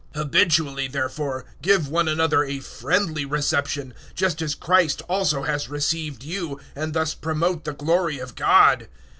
015:007 Habitually therefore give one another a friendly reception, just as Christ also has received you, and thus promote the glory of God.